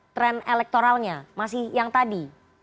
tren elektoralnya masih yang tadi